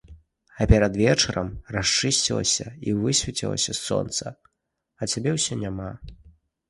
А перад вечарам расчысцілася і высвеціла сонца, а цябе ўсё няма.